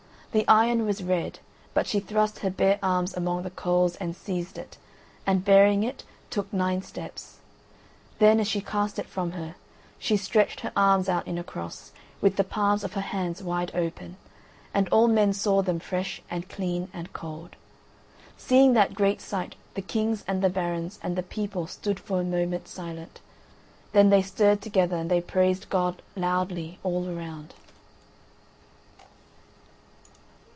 The iron was red, but she thrust her bare arms among the coals and seized it, and bearing it took nine steps. Then, as she cast it from her, she stretched her arms out in a cross, with the palms of her hands wide open, and all men saw them fresh and clean and cold. Seeing that great sight the kings and the barons and the people stood for a moment silent, then they stirred together and they praised God loudly all around.